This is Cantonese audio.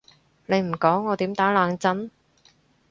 你唔講我點打冷震？